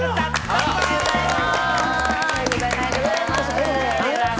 おはようございます。